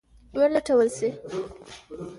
ولټول شي.